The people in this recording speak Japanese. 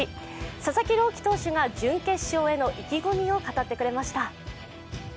佐々木朗希投手が準決勝への意気込みを語ってくれました。